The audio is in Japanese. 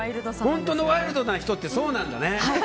本当のワイルドな人ってそうなんだね。